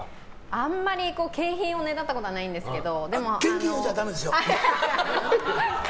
あんまり景品をねだったことはないんですけど。